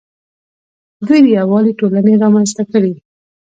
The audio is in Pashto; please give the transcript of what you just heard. دوی د یووالي ټولنې رامنځته کړې